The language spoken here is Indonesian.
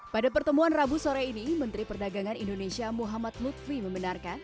pada pertemuan rabu sore ini menteri perdagangan indonesia muhammad lutfi membenarkan